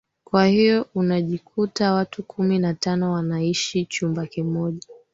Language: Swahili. kwa hiyo unajikuta watu kumi na tano wanaaiishi chumba kimoja